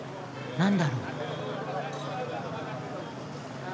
何だろう？